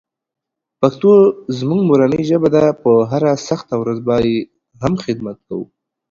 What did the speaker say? پښتو زموږ مورنۍ ژبه ده، په هره سخته ورځ به یې هم خدمت کوو.